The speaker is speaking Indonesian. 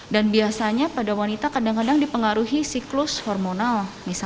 biasanya pada wanita kadang kadang dipengaruhi siklus hormonal